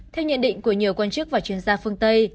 theo nhận định của nhiều quan chức và chuyên gia phương tây